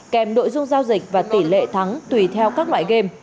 kèm nội dung giao dịch và tỷ lệ thắng tùy theo các loại game